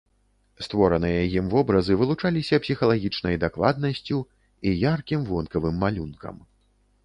Створаныя ім вобразы вылучаліся псіхалагічнай дакладнасцю і яркім вонкавым малюнкам.